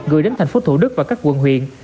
gửi đến tp thủ đức và các quận huyện